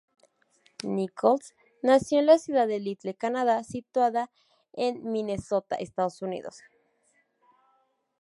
Nichols nació en la ciudad de Little Canada situada en Minnesota, Estados Unidos.